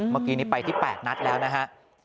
เมื่อกี้นี้ไปที่๘นัดแล้วนะฮะ